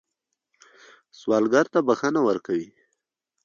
سوالګر ته بښنه ورکوئ